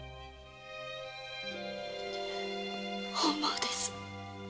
本望です。